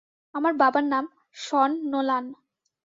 আমার বাবার নাম শন নোলান।